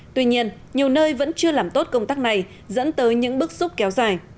tuy nhiên nhiều nơi vẫn chưa làm tốt công tác này dẫn tới những bức xúc kéo dài